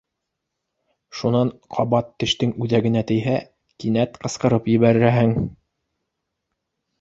Шунан ҡабат тештең үҙәгенә тейһә, кинәт ҡысҡырып ебәрәһең.